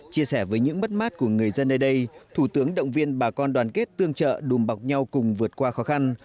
chia sẻ với những mất mát của người dân ở đây thủ tướng động viên bà con đoàn kết tương trợ đùm bọc nhau cùng vượt qua khó khăn